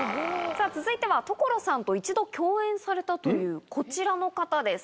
続いては所さんと一度共演されたというこちらの方です。